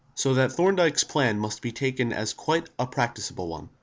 So that Thorndyke's plan must be taken as quite a practicable one.